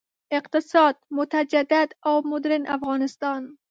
اقتصاد، متجدد او مډرن افغانستان.